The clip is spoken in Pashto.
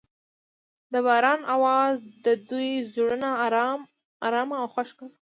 د باران اواز د دوی زړونه ارامه او خوښ کړل.